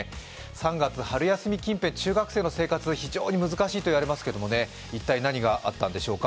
３月の春休み近辺、中学生の生活、非常に難しいといわれますが、一体何があったんでしょうか。